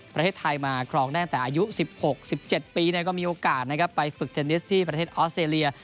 ประเทศไทยมาครองแน่นแต่อายุ๑๖๑๗ปีก็มีโอกาสนะครับไปฝึกเทนนิสที่ประเทศออสเตรเลีย